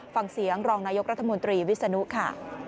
ฟังเสียงรองนายกรัฐมนตรีวิศนุค่ะ